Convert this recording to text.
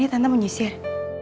ini tante mau nyisir